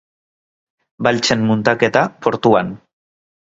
Baltsen muntaketa, portuan.